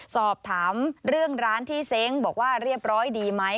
สอบถามเรื่องร้านที่เซ้งบอกว่าเรียบร้อยดีไหม